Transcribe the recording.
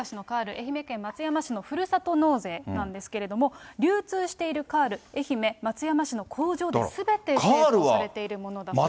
愛媛県松山市のふるさと納税なんですけれども、流通しているカール、愛媛・松山市の工場ですべて製造されているものだそうです。